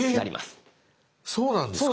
え⁉そうなんですか？